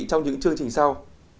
trong những chương trình sau